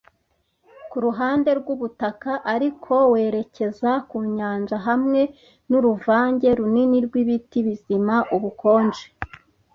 kuruhande rwubutaka, ariko werekeza ku nyanja hamwe nuruvange runini rwibiti-bizima. Ubukonje